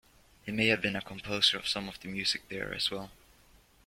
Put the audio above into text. He may have been a composer of some of the music there as well.